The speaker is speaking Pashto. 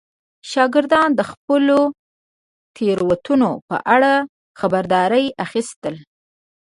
شاګردان د خپلو تېروتنو په اړه خبرداری اخیستل.